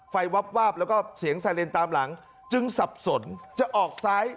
วับวาบแล้วก็เสียงไซเลนตามหลังจึงสับสนจะออกซ้าย